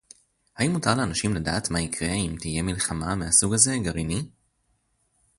האם מותר לאנשים לדעת מה יקרה אם תהיה מלחמה מהסוג הזה - גרעיני